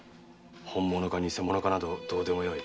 本物か偽物かなどどうでもよい。